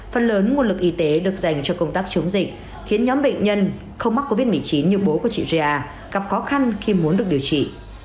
phần lớn nguồn lực y tế được dành cho công tác chống dịch khiến nhóm bệnh nhân không mắc covid một mươi chín như bố của chị ria gặp khó khăn khi muốn được điều trị